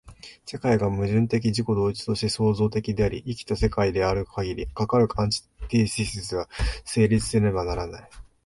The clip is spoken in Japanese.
世界が矛盾的自己同一として創造的であり、生きた世界であるかぎり、かかるアンティテージスが成立せなければならない。